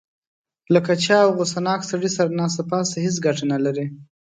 له کچه او غوسه ناک سړي سره ناسته پاسته هېڅ ګټه نه لري.